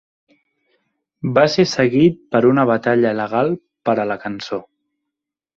Va ser seguit per una batalla legal per a la cançó.